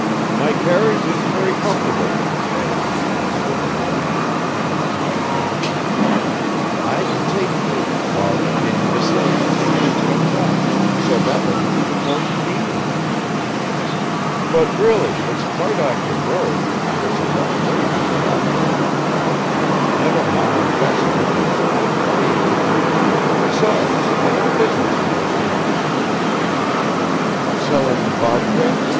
"My carriage is very comfortable," added the unlucky young man, turning to Arkady; "I can take you, while Evgeny Vassilich takes your tarantass, so that will be even more convenient." "But really, it's quite off your road, and it's a long way to where I live." "Never mind, that's nothing; I've plenty of time, besides I have business in that direction." "Selling vodka?"